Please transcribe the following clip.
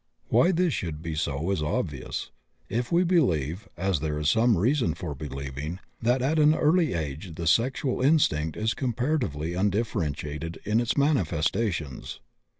Why this should be so is obvious, if we believe as there is some reason for believing that at an early age the sexual instinct is comparatively undifferentiated in its manifestations.